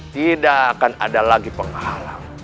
tidak akan ada lagi penghalang